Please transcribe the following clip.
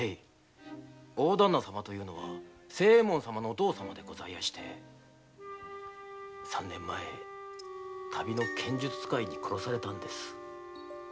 大旦那様と言うのは清右衛門様のお父様でございまして３年前旅の剣術使いに殺されたんです。